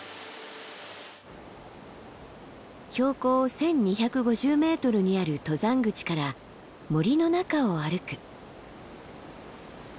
標高１，２５０ｍにある登山口から森の中を歩く。